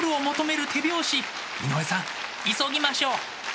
井上さん急ぎましょう！